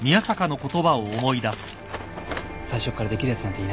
最初からできるやつなんていない